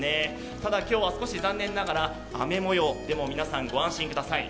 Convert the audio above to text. ただ今日は残念ながら少し雨模様、でもご安心ください。